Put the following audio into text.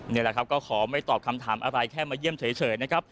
นี่แหละครับก็ขอไม่ตอบคำถามอะไรแค่มาเยี่ยมเฉยนะครับ